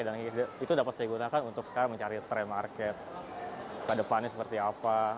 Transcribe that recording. dan itu dapat saya gunakan untuk sekarang mencari trend market ke depannya seperti apa